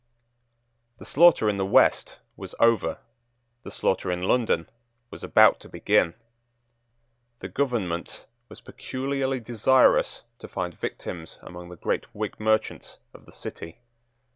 The slaughter in the West was over. The slaughter in London was about to begin. The government was peculiarly desirous to find victims among the great Whig merchants of the City.